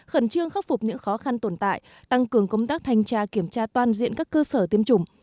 khẩn trương khắc phục những khó khăn tồn tại tăng cường công tác thanh tra kiểm tra toàn diện các cơ sở tiêm chủng